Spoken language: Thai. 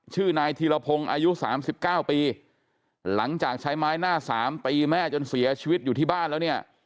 ชื่อนายธีรพงศ์อายุสามสิบเก้าปีหลังจากใช้ไม้หน้าสามตีแม่จนเสียชีวิตอยู่ที่บ้านแล้วเนี่ย